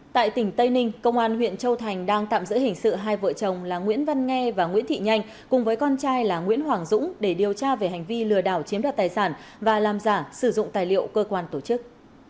tại tỉnh tây ninh công an huyện châu thành đang tạm giữ hình sự hai vợ chồng là nguyễn văn nghe và nguyễn thị nhanh cùng với con trai là nguyễn hoàng dũng để điều tra về hành vi lừa đảo chiếm đoạt tài sản và làm giả sử dụng tài liệu cơ quan tổ chức